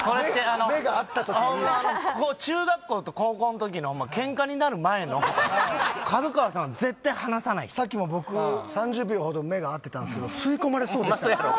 あの目が合った時に中学校と高校の時のケンカになる前の角川さん絶対離さないさっきも僕３０秒ほど目が合ってたんすけどホンマそやろ？